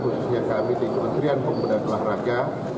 khususnya kami di kementerian pembinaan olahraga